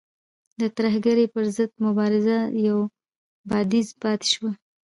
د ترهګرۍ پر ضد مبارزه یو بعدیزه پاتې شوه.